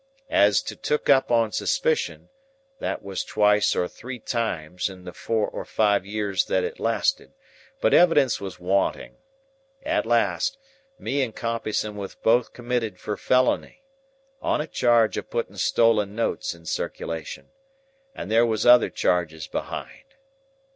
As to took up on suspicion, that was twice or three times in the four or five year that it lasted; but evidence was wanting. At last, me and Compeyson was both committed for felony,—on a charge of putting stolen notes in circulation,—and there was other charges behind.